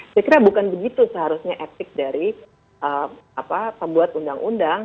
saya kira bukan begitu seharusnya etik dari pembuat undang undang